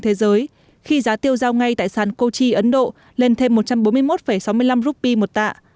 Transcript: thế giới khi giá tiêu giao ngay tại sàn kochi ấn độ lên thêm một trăm bốn mươi một sáu mươi năm rupee một tạ